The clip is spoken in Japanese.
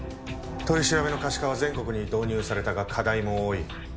取り調べの可視化は全国に導入されたが課題も多い。